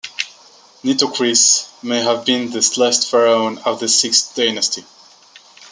Nitocris may have been the last pharaoh of the sixth dynasty.